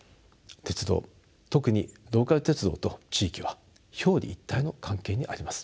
鉄道特にローカル鉄道と地域は表裏一体の関係にあります。